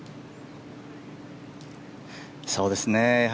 そうですね。